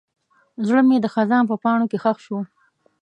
زړه مې د خزان په پاڼو کې ښخ شو.